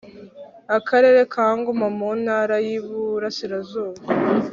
Akarere ka Ngoma mu Ntara y Iburasirazuba